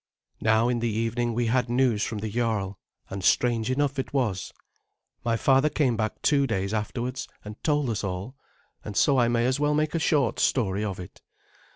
Now in the evening we had news from the Jarl, and strange enough it was. My father came back two days afterwards and told us all, and so I may as well make a short story of it.